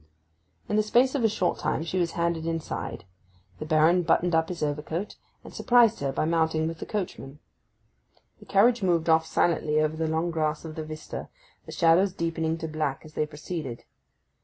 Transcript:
In the space of a short minute she was handed inside; the Baron buttoned up his overcoat, and surprised her by mounting with the coachman. The carriage moved off silently over the long grass of the vista, the shadows deepening to black as they proceeded.